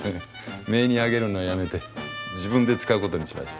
めいにあげるのやめて自分で使うことにしました。